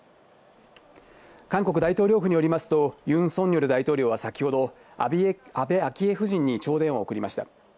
韓国大統領府によりますと、ユン・ソンニョル大統領は先ほど、安倍昭恵夫人に弔電を送りました。